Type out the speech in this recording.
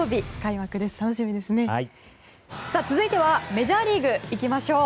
続いてはメジャーリーグ行きましょう。